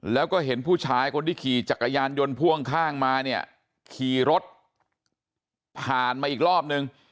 แล้วก็เห็นผู้ชายคนที่ขี่จักรยานยนต์พ่วงข้างมาเนี่ยขี่รถผ่านมาอีกรอบนึง